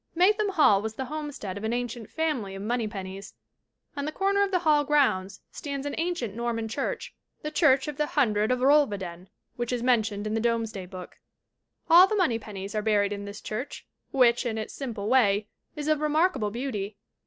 "Maytham Hall was the homestead of an ancient family of Moneypenneys. On the corner of the Hall grounds stands an ancient Norman church the church of the Hundred of Rolvenden which is men tioned in the Domesday Book. All the Moneypenneys are buried in this church, which, in its simple way, is of remarkable beauty.